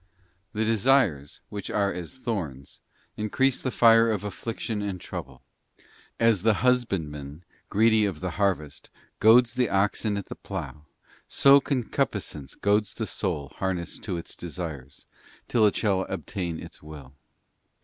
't ~ The desires, which are as thorns, increase the fire of affliction and trouble. As the husbandman, greedy of the harvest, goads the oxen at the plough, so concupiscence goads the soul harnessed to its desires, till it shall obtain its will.